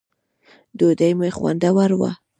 ډوډی مو خوندوره وه